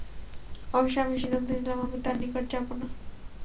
অবশেষে আমি সিদ্ধান্ত নিলাম, আমি তার নিকট যাব না।